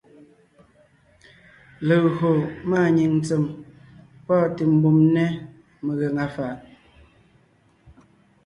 Légÿo máanyìŋ ntsèm pɔ́ɔnte mbùm nɛ́ megàŋa fàʼ.